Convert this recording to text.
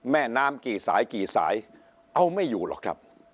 แม่น้ำกี่สายกี่สายเอาไม่อยู่หรอกครับ